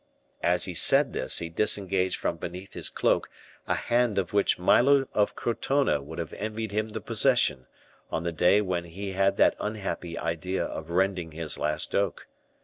As he said this, he disengaged from beneath his cloak a hand of which Milo of Crotona would have envied him the possession, on the day when he had that unhappy idea of rending his last oak.